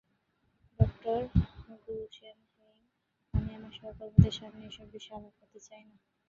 ডঃ Guggenheim, আমি আমার সহকর্মীদের সামনে এসব বিষয়ে আলাপ করতে চাই না।